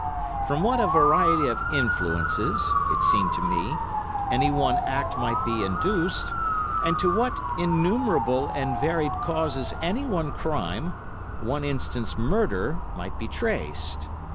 From what a variety of influences, it seemed to me, any one act might be induced, and to what innumerable and varied causes any one crime, for instance murder, might be traced.